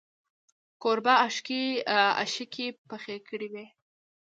کوربه اشکې پخې کړې وې.